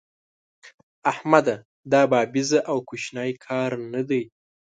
احمده! دا بابېزه او کوشنی کار نه دی.